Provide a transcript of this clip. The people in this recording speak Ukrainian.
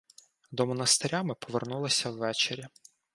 До монастиря ми повернулися ввечері.